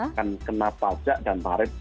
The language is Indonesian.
akan kena pajak dan tarif